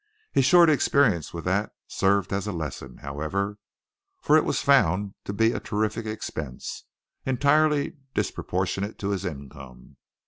His short experience with that served as a lesson, however, for it was found to be a terrific expense, entirely disproportionate to his income.